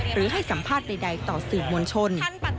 หรือให้สัมภาษณ์ใดต่อสื่อมวลชน